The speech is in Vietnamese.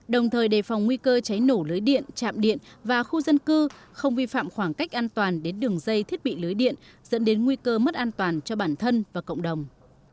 đồng thời đề phòng nguy cơ cháy nổ lưới điện chạm điện và khu dân cư không vi phạm khoảng cách an toàn đến đường dây thiết bị lưới điện dẫn đến nguy cơ mất an toàn cho bản thân và cộng đồng